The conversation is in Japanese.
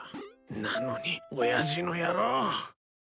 なのに親父の野郎。